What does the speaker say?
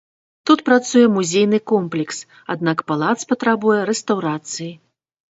Тут працуе музейны комплекс, аднак палац патрабуе рэстаўрацыі.